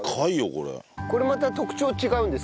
これまた特徴違うんですか？